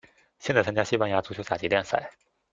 现在参加西班牙足球甲级联赛。